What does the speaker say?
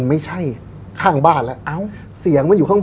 บ้านข้างอยู่แล้วมันนี้เดินดังจัง